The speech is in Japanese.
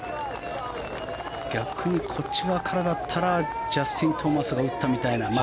逆に、こっち側からだったらジャスティン・トーマスが打ったみたいな。